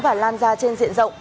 và lan ra trên diện rộng